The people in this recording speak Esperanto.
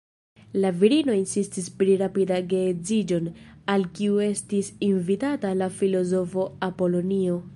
La virino insistis pri rapida geedziĝon, al kiu estis invitata la filozofo Apolonio.